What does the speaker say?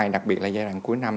đặc biệt là giai đoạn cuối năm